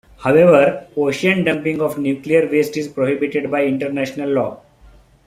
However, ocean dumping of nuclear waste is prohibited by international law.